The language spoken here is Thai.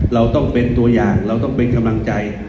เราต้องเป็นตัวอย่างเราต้องเป็นกำลังใจ